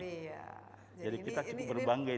jadi kita cukup berbangga ini